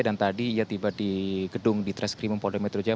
dan tadi ia tiba di gedung di tres krimum polda metro jaya